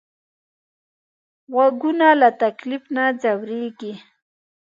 غوږونه له تکلیف نه ځورېږي